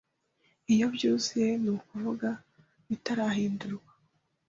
Iyo byuzuye ni ukuvuga bitarahindurwa